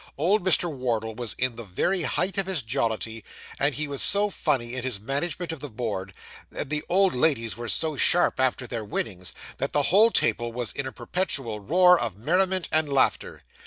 Old Mr. Wardle was in the very height of his jollity; and he was so funny in his management of the board, and the old ladies were so sharp after their winnings, that the whole table was in a perpetual roar of merriment and laughter.